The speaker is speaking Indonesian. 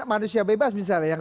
manusia bebas misalnya yang